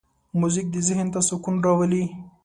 موزیک ذهن ته سکون راولي.